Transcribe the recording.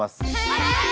はい！